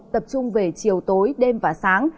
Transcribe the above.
tập trung về chiều tối đêm và sáng